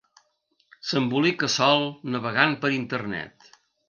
S'embolica sol navegant per internet.